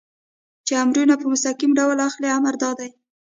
چې امرونه په مستقیم ډول اخلئ، امر دا دی.